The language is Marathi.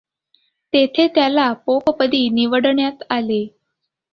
तेथे त्याला पोपपदी निवडण्यात आले.